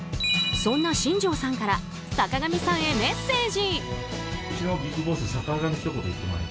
そんな新庄さんから坂上さんへメッセージ。